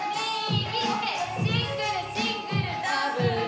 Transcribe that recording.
シングルシングルダブル。